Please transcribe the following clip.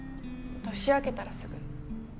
年明けたらすぐ。